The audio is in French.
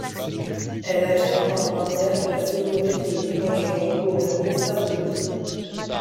Elle acquiert par mariage la seigneurie de Clinchamps, dont elle conserve le nom.